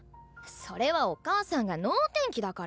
それはお母さんが能天気だから。